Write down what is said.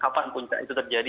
kapan puncak itu terjadi